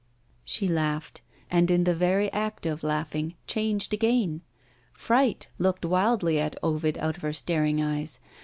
She laughed and, in the very act of laughing, changed again. Fright looked wildly at Ovid out of her staring eyes.